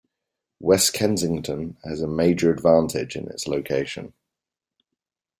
West Kensington has a major advantage in its location.